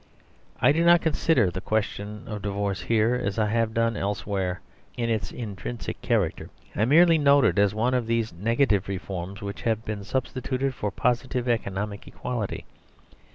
I do not discuss the question of divorce here, as I have done elsewhere, in its intrinsic character; I merely note it as one of these negative reforms which have been substituted for positive economic equality.